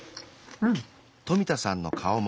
うん！